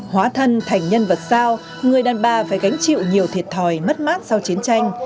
hóa thân thành nhân vật sao người đàn bà phải gánh chịu nhiều thiệt thòi mất mát sau chiến tranh